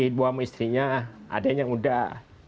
ibu sama istrinya adiknya udah